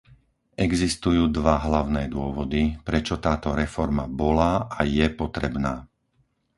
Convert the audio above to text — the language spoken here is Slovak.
Existujú dva hlavné dôvody, prečo táto reforma bola a je potrebná.